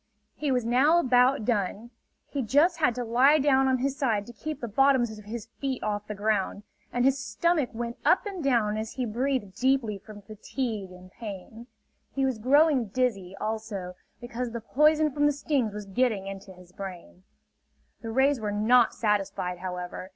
He was now about done. He just had to lie down on his side to keep the bottoms of his feet off the ground; and his stomach went up and down as he breathed deeply from fatigue and pain. He was growing dizzy, also, because the poison from the stings was getting into his brain. The rays were not satisfied, however.